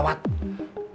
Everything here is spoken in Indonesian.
gawat gak bisa dikawal